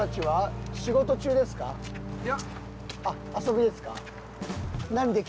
遊びですか？